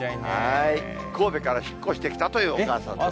神戸から引っ越してきたというお母さんです。